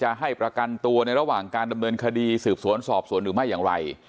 ให้ประกันตัวในระหว่างการดำเนินคดีสืบสวนสอบสวนหรือไม่อย่างไร